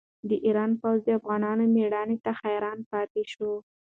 د ایران پوځ د افغانانو مېړانې ته حیران پاتې شو.